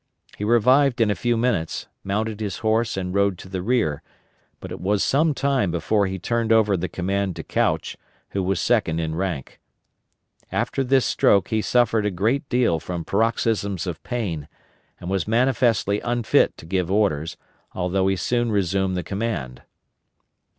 He revived in a few minutes, mounted his horse and rode to the rear, but it was some time before he turned over the command to Couch, who was second in rank. After this stroke he suffered a great deal from paroxysms of pain, and was manifestly unfit to give orders, although he soon resumed the command.